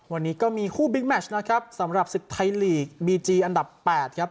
วันนี้ก็มีคู่บิ๊กแมชนะครับสำหรับศึกไทยลีกบีจีอันดับ๘ครับ